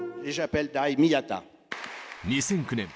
２００９年